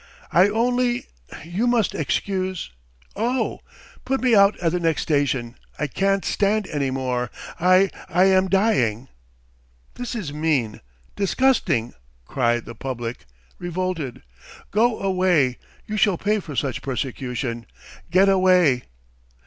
"I only ... you must excuse ..." "Oh! ... Put me out at the next station! I can't stand any more .... I ... I am dying. ..." "This is mean, disgusting!" cry the "public," revolted. "Go away! You shall pay for such persecution. Get away!"